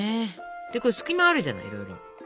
これ隙間あるじゃないいろいろ。